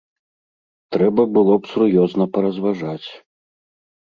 Трэба было б сур'ёзна паразважаць.